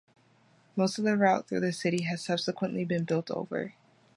Most of the route through the city has subsequently been built over.